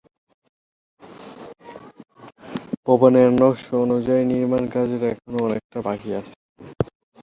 ভবনের নকশা অনুযায়ী নির্মাণ কাজের এখনো অনেকটা বাকি আছে।